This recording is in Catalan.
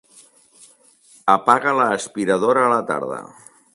Apaga l'aspiradora a la tarda.